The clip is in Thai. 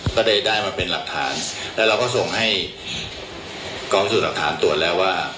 ก็เลยได้มาเป็นหลักฐานแล้วเราก็ส่งให้กองพิสูจน์หลักฐานตรวจแล้วว่า